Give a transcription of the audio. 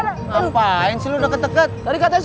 ngapain sih lu deket deket